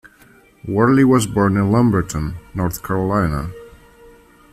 Worley was born in Lumberton, North Carolina.